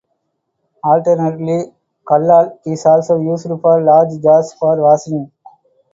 Alternatively, "kallal" is also used for large jars for washing.